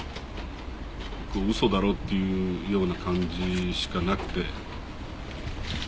「嘘だろ」っていうような感じしかなくて。